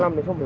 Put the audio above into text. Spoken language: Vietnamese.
rồi anh hiểu